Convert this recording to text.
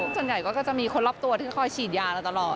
ส่วนใหญ่ก็จะมีคนรอบตัวที่คอยฉีดยาเราตลอด